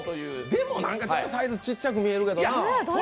でも、何かちょっとサイズが小さく見えるけどな。